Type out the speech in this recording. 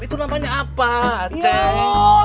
itu namanya apa teh